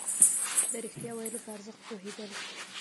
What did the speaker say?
د رښتيا ويلو په ارزښت پوهېدل.